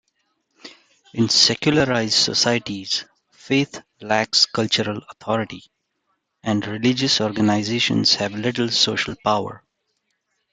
In secularized societies faith lacks cultural authority, and religious organizations have little social power.